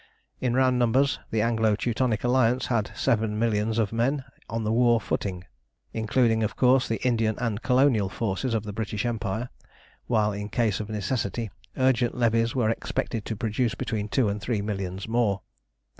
In round numbers the Anglo Teutonic Alliance had seven millions of men on the war footing, including, of course, the Indian and Colonial forces of the British Empire, while in case of necessity urgent levies were expected to produce between two and three millions more.